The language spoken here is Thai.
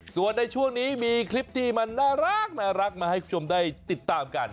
ส่วนในช่วงนี้มีคลิปที่มันน่ารักมาให้คุณผู้ชมได้ติดตามกัน